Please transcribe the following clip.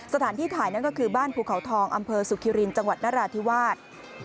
สถานที่ถ่ายนั่นก็คือบ้านภูเขาทองอำเภอสุขิรินจังหวัดนราธิวาส